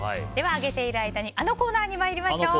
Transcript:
揚げている間にあのコーナーに参りましょう。